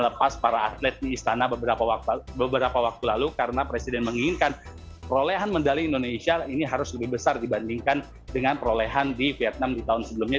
lepas para atlet di istana beberapa waktu lalu karena presiden menginginkan perolehan medali indonesia ini harus lebih besar dibandingkan dengan perolehan di vietnam di tahun sebelumnya